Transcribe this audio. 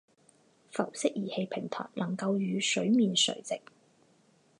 浮式仪器平台能够与水面垂直。